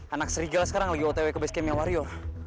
anak serigala sekarang lagi otw ke basecampnya wario